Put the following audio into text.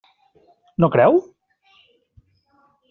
No creu?